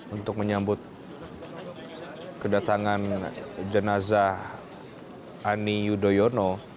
untuk menyambut kedatangan jenazah ani yudhoyono